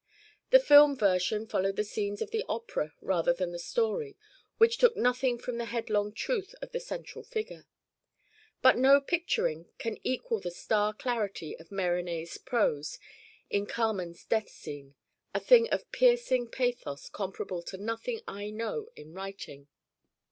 The film version followed the scenes of the opera rather than the story, which took nothing from the headlong truth of the central figure. But no picturing can equal the star clarity of Mérimée's prose in Carmen's death scene a thing of a piercing pathos comparable to nothing I know in writing.